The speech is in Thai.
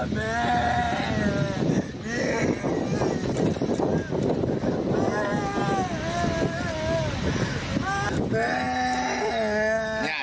แม่มาช่วยดีกันแม่มาช่วยดีกัน